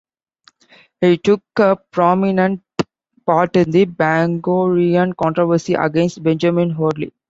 He took a prominent part in the Bangorian controversy against Benjamin Hoadly.